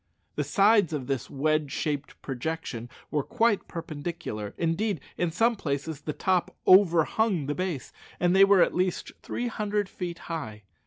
The sides of this wedge shaped projection were quite perpendicular indeed, in some places the top overhung the base and they were at least three hundred feet high.